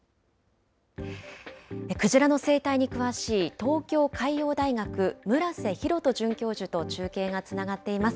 クジラの生態に詳しい東京海洋大学、村瀬弘人准教授と中継がつながっています。